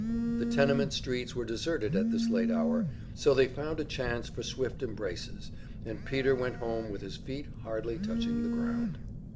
The tenement streets were deserted at this late hour, so they found a chance for swift embraces, and Peter went home with his feet hardly touching the ground.